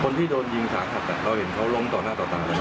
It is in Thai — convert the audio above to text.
คนที่โดนยิงสาธารณ์เราเห็นเขาล้มต่อหน้าต่อตาแล้วนะ